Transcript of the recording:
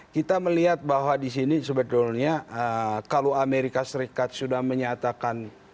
kita melihat bahwa di sini sebetulnya kalau amerika serikat sudah menyatakan